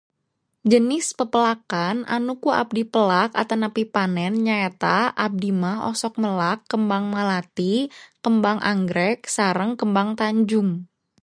Jenis pepelakan anu ku abdi pelak atanapi panen nyaeta abdi mah osok melak kembang malati, kembang anggrek sareng kembang tanjung.